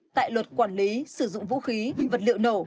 tại luật quản lý sử dụng vũ khí vật liệu nổ